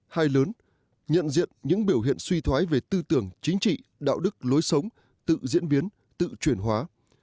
hai lớn nhận diện những biểu hiện suy thoái về tư tưởng chính trị đạo đức lối sống tự diễn biến tự chuyển hóa